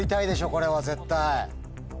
これは絶対。